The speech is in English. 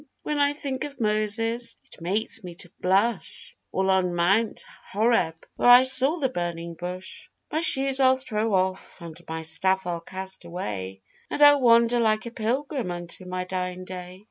When I think of Moses it makes me to blush, All on mount Horeb where I saw the burning bush; My shoes I'll throw off, and my staff I'll cast away, And I'll wander like a pilgrim unto my dying day.